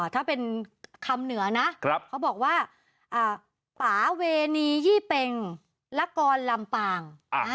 ถ้าเป็นคำเหนือนะเขาบอกว่าป่าเวนียี่เป็งละกรลำปาง